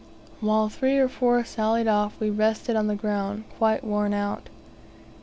While three or four sallied off we rested on the ground, quite worn out.